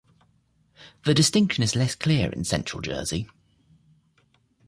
The distinction is less clear in Central Jersey.